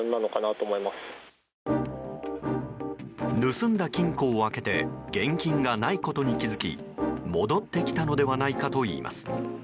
盗んだ金庫を開けて現金がないことに気づき戻ってきたのではないかといいます。